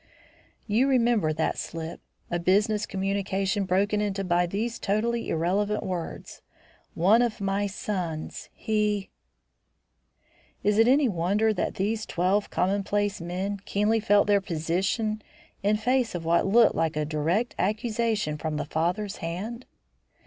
You remember that slip; a business communication broken into by these totally irrelevant words, "one of my sons He". Is it any wonder that these twelve commonplace men keenly felt their position in face of what looked like a direct accusation from the father's hand?